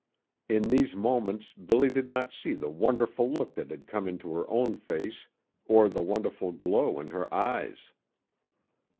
In these moments Billy did not see the wonderful look that had come into her own face or the wonderful glow in her eyes.